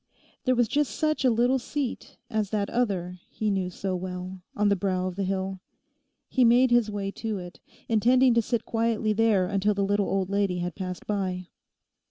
There was just such a little seat as that other he knew so well, on the brow of the hill. He made his way to it, intending to sit quietly there until the little old lady had passed by.